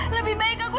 daripada aku hidup